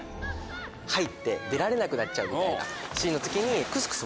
入って出られなくなっちゃうみたいなシーンの時に。